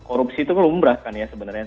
korupsi itu kelumrah kan ya sebenarnya